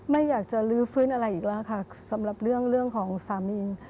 ไม่อยากจะลื้อฟื้นอะไรอีกแล้วค่ะสำหรับเรื่องของสามี